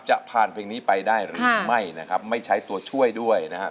จะผ่านเพลงนี้ไปได้หรือไม่นะครับไม่ใช้ตัวช่วยด้วยนะครับ